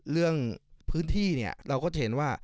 เรื่องพื้นที่เนี่ยเราก็จะเห็นว่า